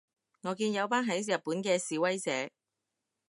我見有班喺日本嘅示威者